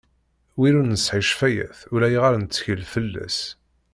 Win ur nesɛi ccfawat ulayɣer nettkel fell-as.